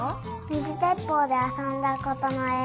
みずでっぽうであそんだことのえ。